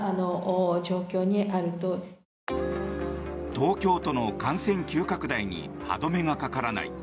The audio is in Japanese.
東京都の感染急拡大に歯止めがかからない。